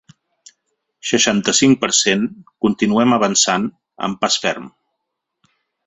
Seixanta-cinc per cent Continuem avançant amb pas ferm.